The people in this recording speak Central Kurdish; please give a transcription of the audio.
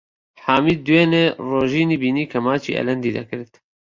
حامید دوێنێ ڕۆژینی بینی کە ماچی ئەلەندی دەکرد.